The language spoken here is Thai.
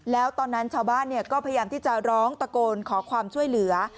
แล้วตอนนั้นชาวบ้านก็พยายามที่จะร้องตะโกนขอความช่วยเหลือ